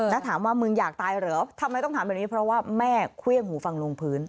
แล้วถามว่ามึงอยากตายเหรอทำไมต้องถามแบบนี้เพราะว่าแม่เครื่องหูฟังลงพื้น